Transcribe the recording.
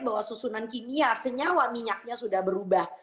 bahwa susunan kimia senyawa minyaknya sudah berubah